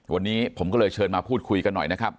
วันนี้ผมก็เลยเชิญมาพูดคุยกันหน่อยนะครับ